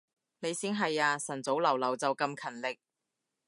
你先係啊，晨早流流就咁勤力